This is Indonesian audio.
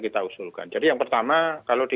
kita usulkan jadi yang pertama kalau di